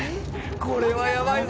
これはやばいぞ！